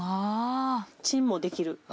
チンもできる。